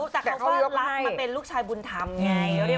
แต่ว่าลับมาเป็นลูกชายบุญธรรมงี้